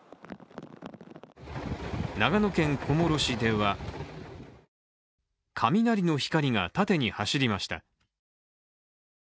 長野県小諸市では、雷の光が縦に走りました。